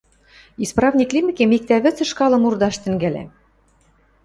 – Исправник лимӹкем, иктӓ вӹц ышкалым урдаш тӹнгӓлӓм...